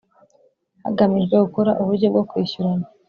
Hagamijwe gukora uburyo bwo kwishyurana.